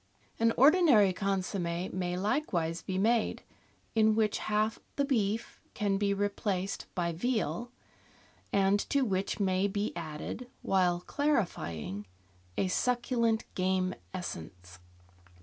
An ordinary consomm^ may likewise be made, in which half the beef can be replaced by veal, and to which may be added, while clarifying, a suc culent game essence.